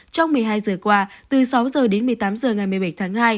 trong một mươi hai giờ qua từ sáu h đến một mươi tám h ngày một mươi bảy tháng hai